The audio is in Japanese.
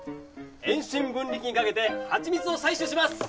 遠心分離機にかけて蜂蜜を採取します！